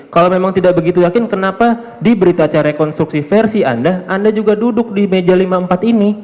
kalau memang tidak begitu yakin kenapa di berita acara rekonstruksi versi anda anda juga duduk di meja lima puluh empat ini